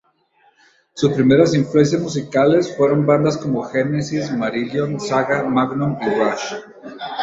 Sus primeras influencias musicales fueron bandas como Genesis, Marillion, Saga, Magnum y Rush.